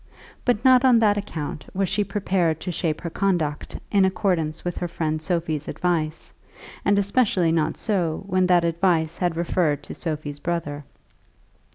But not on that account was she prepared to shape her conduct in accordance with her friend Sophie's advice, and especially not so when that advice had reference to Sophie's brother.